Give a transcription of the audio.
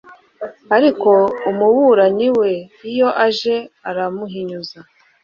ariko umuburanyi we iyo aje aramuhinyuza